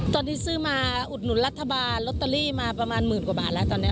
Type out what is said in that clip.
ตอนนี้ซื้อมาอุดหนุนรัฐบาลลอตเตอรี่มาประมาณหมื่นกว่าบาทแล้วตอนนี้